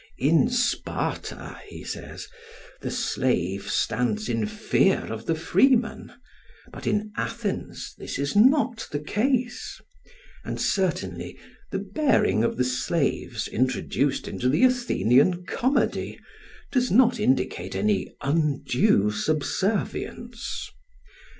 In Sparta, he says, the slave stands in fear of the freeman, but in Athens this is not the case; and certainly the bearing of the slaves introduced into the Athenian comedy does not indicate any undue subservience.